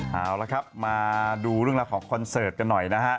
เอาละครับมาดูเรื่องราวของคอนเสิร์ตกันหน่อยนะฮะ